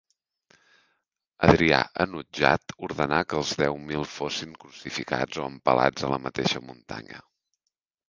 Adrià, enutjat, ordenà que els deu mil fossin crucificats o empalats a la mateixa muntanya.